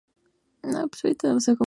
Prefieren una temperatura cálida a fresca.